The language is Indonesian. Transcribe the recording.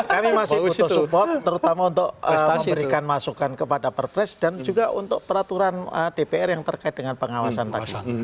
kami masih butuh support terutama untuk memberikan masukan kepada perpres dan juga untuk peraturan dpr yang terkait dengan pengawasan tadi